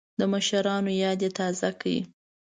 د مشرانو یاد یې تازه کړ.